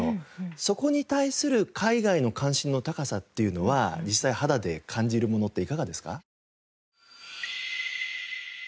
そこに対する海外の関心の高さっていうのは実際肌で感じるものっていかがですか？